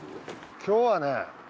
今日はね